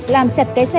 làm chặt cái xe ba gác